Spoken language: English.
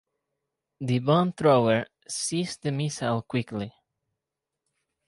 The bomb-thrower seized the missile quickly.